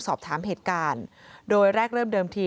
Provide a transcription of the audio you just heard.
สอบถามเหตุการณ์โดยแรกเริ่มเดิมที